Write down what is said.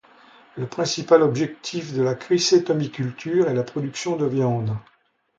Le principal objectif de la cricétomiculture est la production de viande.